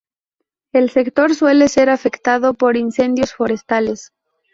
El sector suele ser afectado por incendios forestales.